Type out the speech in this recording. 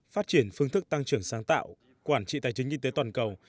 phát triển phương thức tăng trưởng sáng tạo quản trị tài chính kinh tế toàn cầu